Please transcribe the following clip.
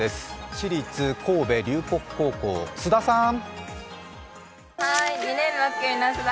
私立神戸龍谷高校、須田さん。